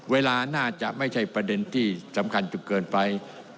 เวลาน่าจะไม่ใช่ประเด็นที่สำคัญจุดเกินไป